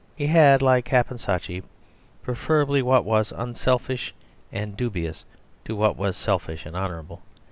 He had, like Caponsacchi, preferred what was unselfish and dubious to what was selfish and honourable.